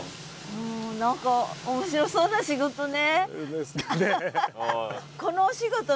何か面白そうな仕事ね。